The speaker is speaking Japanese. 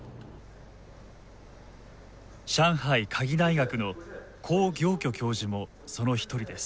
上海科技大学の黄行許教授もその一人です。